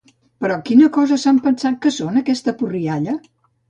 Però quina cosa s'han pensat que són, aquesta purrialla?